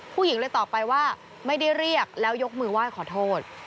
ผู้หญิงเลยตอบไปว่าไม่ได้เรียกแล้วยกมือไหว้ขอโทษ